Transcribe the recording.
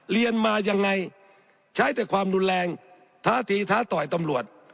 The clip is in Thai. เรียนมายังไงใช้แต่ความรุนแรงท้าตีท้าต่อยตำรวจ